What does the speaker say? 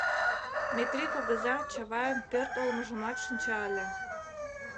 Метрий кугыза Чавайын пӧрт олмыжымат шинча ыле.